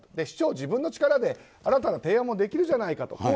市長、自分の力で新たな提案もできるじゃないかと。